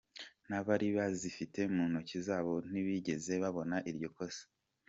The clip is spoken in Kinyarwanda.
N’abari bazifite mu ntoki zabo ntibigeze babona iryo kosa.”